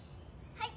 はい。